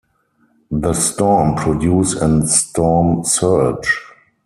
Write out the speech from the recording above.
The storm produced an storm surge.